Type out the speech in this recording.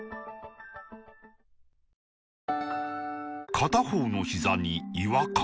片方のひざに違和感